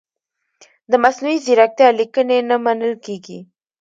د مصنوعي ځیرکتیا لیکنې نه منل کیږي.